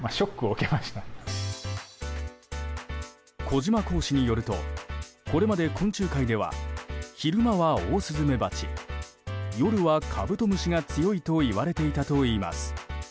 小島講師によるとこれまで、昆虫界では昼間はオオスズメバチ夜はカブトムシが強いといわれていたといいます。